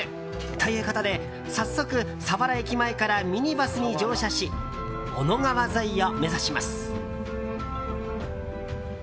ということで、早速佐原駅前からミニバスに乗車し小野川沿いを目指します。